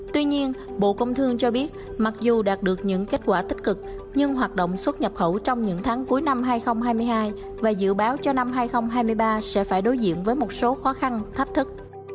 tuy nhiên bộ công thương cho biết mặc dù đạt được những kết quả tích cực nhưng hoạt động xuất nhập khẩu trong những tháng cuối năm hai nghìn hai mươi hai và dự báo cho năm hai nghìn hai mươi ba sẽ phải đối diện với một số khó khăn thách thức